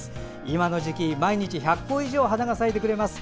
今の時期、毎日１００個以上花が咲いてくれます。